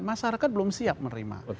masyarakat belum siap menerima